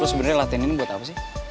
lo sebenernya latihan ini buat apa sih